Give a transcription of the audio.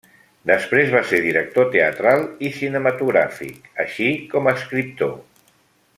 Després va ser director teatral i cinematogràfic, així com escriptor.